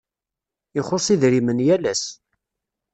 Ixuṣ idrimen yal ass.